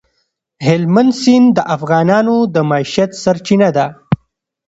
هلمند سیند د افغانانو د معیشت سرچینه ده.